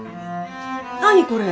何これ？